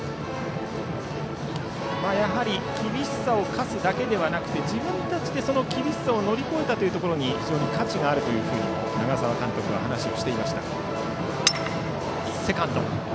やはり厳しさを科すだけではなくて自分たちで、その厳しさを乗り越えたところに価値があると長澤監督も話していました。